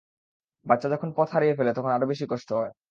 বাচ্চা যখন পথ হারিয়ে ফেলে, তখন আরও বেশি কষ্ট হয়।